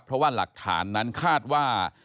เพราะว่าหลักฐานนั้นคาดว่า